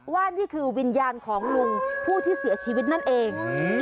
ว่านี่คือวิญญาณของลุงผู้ที่เสียชีวิตนั่นเอง